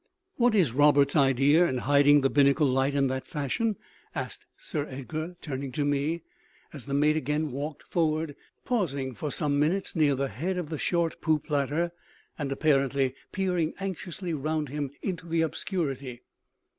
"What is Roberts' idea in hiding the binnacle light in that fashion?" asked Sir Edgar, turning to me, as the mate again walked forward, pausing for some minutes near the head of the short poop ladder, and apparently peering anxiously round him into the obscurity.